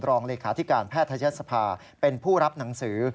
รองเลขาธิการแพทยศภาเป็นผู้รับหนังสือ